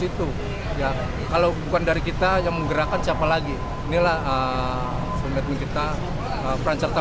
itu ya kalau bukan dari kita yang menggerakkan siapa lagi inilah sebetulnya kita perancangkan